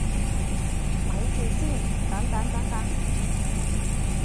咪住先，等等等等